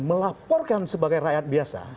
melaporkan sebagai rakyat biasa